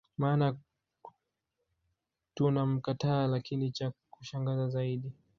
maana tunamkataa Lakini cha kushangaza zaidi